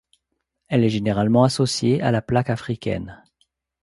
Elle est généralement associée à la plaque africaine.